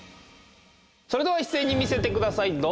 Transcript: それではいっせいに見せてください。